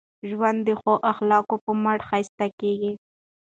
ژوند د ښو اخلاقو په مټ ښایسته کېږي.